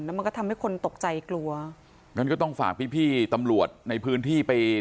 มันก็ทำให้คนตกใจกลัวงั้นก็ต้องฝากพี่พี่ตำรวจในพื้นที่ไป